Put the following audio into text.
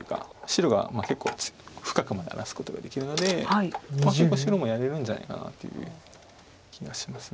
白が結構深くまで荒らすことができるので結構白もやれるんじゃないかなっていう気がします